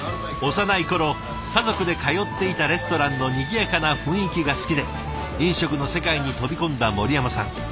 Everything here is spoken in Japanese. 幼い頃家族で通っていたレストランのにぎやかな雰囲気が好きで飲食の世界に飛び込んだ森山さん。